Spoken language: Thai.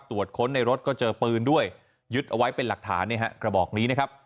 ตรวจค้นในรถก็เจอปืนด้วยยึดเอาไว้เป็นหลักฐานกระบอกนี้นะครับ